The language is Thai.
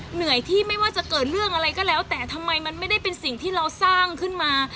เหนื่อยที่ไม่ว่าจะเกิดเรื่องอะไรก็แล้วแต่ทำไมมันไม่ได้เป็นสิ่งที่เราสร้างขึ้นมา